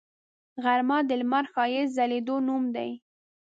غرمه د لمر ښایسته ځلیدو نوم دی